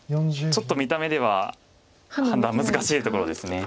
ちょっと見た目では判断難しいところです。